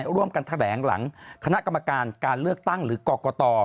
ร่วมกันแถลงหลังคณะกรรมการการเลือกตั้งหรือกรกต